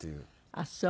あっそう。